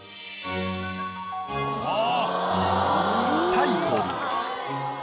タイトル。